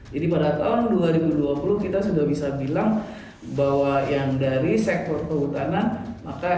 jadi pada tahun dua ribu dua puluh kita sudah bisa bilang bahwa yang dari sektor kehutanan